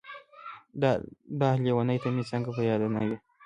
داح لېونۍ ته مې څنګه په ياده نه وې.